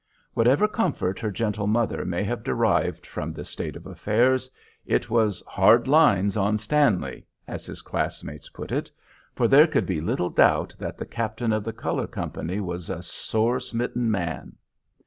Whatever comfort her gentle mother may have derived from this state of affairs, it was "hard lines on Stanley," as his classmates put it, for there could be little doubt that the captain of the color company was a sorely smitten man.